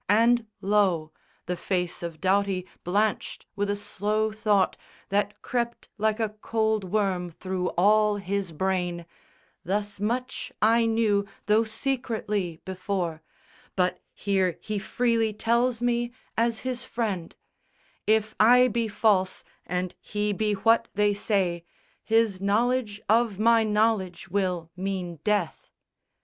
And lo, The face of Doughty blanched with a slow thought That crept like a cold worm through all his brain, "Thus much I knew, though secretly, before; But here he freely tells me as his friend; If I be false and he be what they say, His knowledge of my knowledge will mean death."